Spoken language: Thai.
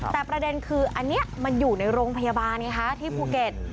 แต่ประเด็นคืออันนี้มันอยู่ในโรงพยาบาลไงคะที่ภูเก็ต